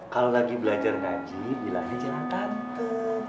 kalau lagi belajar ngaji bilangnya jangan kantong